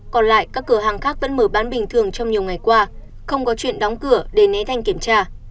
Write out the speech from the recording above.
còn lại các cửa hàng khác vẫn mở bán bình thường trong nhiều ngày qua không có chuyện đóng cửa để né thanh kiểm tra